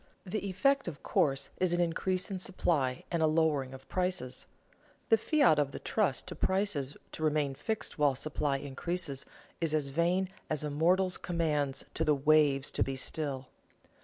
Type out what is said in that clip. The effect, of course, is an increase in supply and a lowering of prices. The fiat of the trust to prices to remain fixed while supply increases is as vain as a mortal's commands to the waves to be still.